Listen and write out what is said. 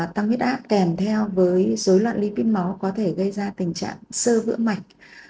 tăng nguyệt áp kèm theo với dối loạn lipid máu có thể gây ra tình trạng sơ vữa mạch